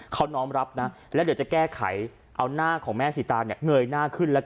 เขาน้องรับนะแล้วเดี๋ยวจะแก้ไขเอาหน้าของแม่สิตาเงยหน้าขึ้น